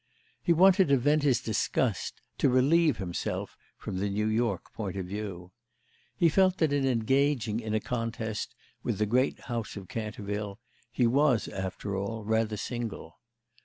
He wanted to vent his disgust, to relieve himself, from the New York point of view. He felt that in engaging in a contest with the great house of Canterville he was after all rather single.